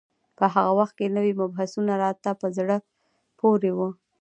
په هغه وخت کې نوي مبحثونه راته په زړه پورې وو.